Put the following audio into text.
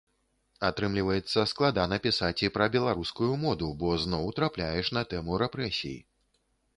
Атрымліваецца, складана пісаць і пра беларускую моду, бо зноў трапляеш на тэму рэпрэсій.